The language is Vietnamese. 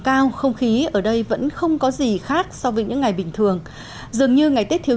cao không khí ở đây vẫn không có gì khác so với những ngày bình thường dường như ngày tết thiếu